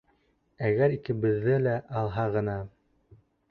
Әгәр икебеҙҙе лә алһа ғына...